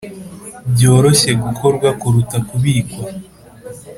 byoroshye gukorwa kuruta kubikwa